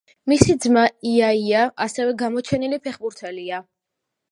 მისი ძმა იაია ასევე გამოჩენილი ფეხბურთელია.